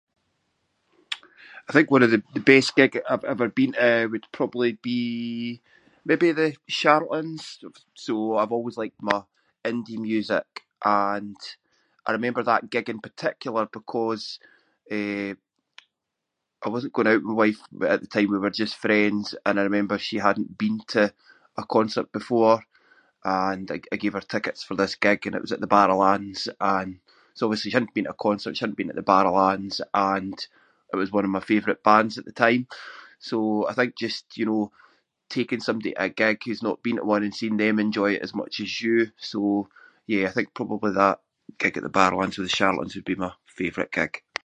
I think one of the- the best gigs I’ve ever been to would probably be maybe The Charlatans. So I’ve always liked my indie music and I remember that gig in particular because, eh, I wasn’t going out with my wife at the time, we were just friends, and I remember she hadn’t been to a concert before and I- I gave her tickets for this gig and it was at the Barrowlands and- so obviously she hadn’t been to a concert, she hadn’t been to the Barrowlands and it was one of my favourite bands at the time. So I think just, you know, taking somebody to a gig who has not been to one and seeing them enjoy it as much as you- so yeah, I think probably that gig at the Barrowlands with The Charlatans would be my favourite gig.